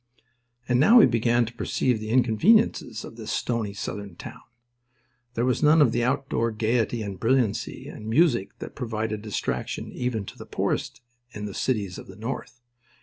And now he began to perceive the inconveniences of this stony Southern town. There was none of the outdoor gaiety and brilliancy and music that provided distraction even to the poorest in the cities of the North.